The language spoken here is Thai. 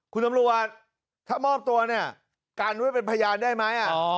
คุณตำรวจถ้ามอบตัวเนี่ยกันไว้เป็นพยานได้ไหม